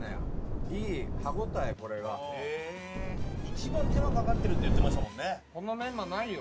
一番手間かかってるって言ってましたもんね。